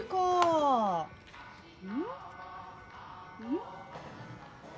うん？